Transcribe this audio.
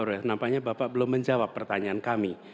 kenapa bapak belum menjawab pertanyaan kami